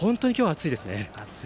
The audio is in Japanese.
暑いですね。